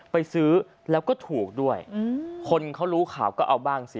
ไปซื้อแล้วก็ถูกด้วยคนเขารู้ข่าวก็เอาบ้างสิ